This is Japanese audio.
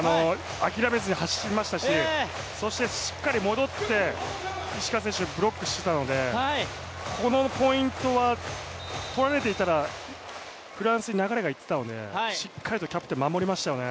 諦めずに走りましたしそしてしっかり戻って石川選手、ブロックしてたのでこのポイントは取られていたらフランスに流れが行ってたので、しっかりエースが守りましたね。